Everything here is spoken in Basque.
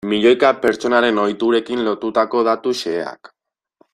Milioika pertsonaren ohiturekin lotutako datu xeheak.